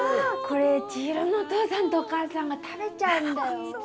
これ、千尋のお父さんとお母さんが食べちゃうんだよ。